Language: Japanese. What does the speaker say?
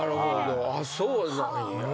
あっそうなんや。